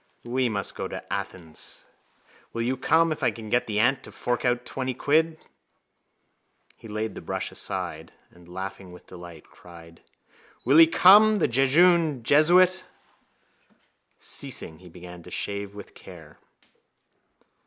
We must go to Athens. Will you come if I can get the aunt to fork out twenty quid? He laid the brush aside and, laughing with delight, cried: —Will he come? The jejune jesuit! Ceasing, he began to shave with care.